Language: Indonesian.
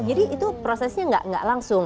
jadi itu prosesnya tidak langsung